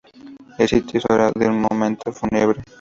El sitio es ahora un monumento fúnebre.